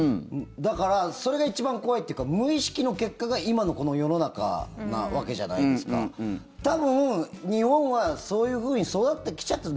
だからそれが一番怖いっていうか無意識の結果が、今のこの世の中なわけじゃないですか多分、日本はそういうふうに育ってきちゃった。